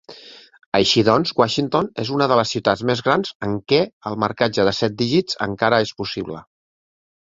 Així doncs, Washington és una de les ciutats més grans en què el marcatge de set dígits encara és possible.